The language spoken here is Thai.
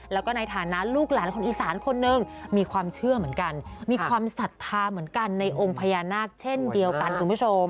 แล้วก็ในฐานะลูกหลานคนอีสานคนนึงมีความเชื่อเหมือนกันมีความศรัทธาเหมือนกันในองค์พญานาคเช่นเดียวกันคุณผู้ชม